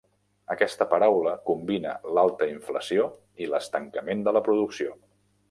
Aquesta paraula combina l'alta inflació i l'estancament de la producció.